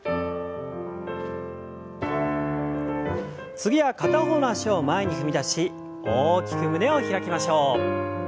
次は片方の脚を前に踏み出し大きく胸を開きましょう。